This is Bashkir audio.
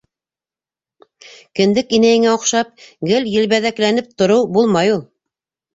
Кендек инәйеңә оҡшап, гел елбәҙәкләнеп тороу булмай ул.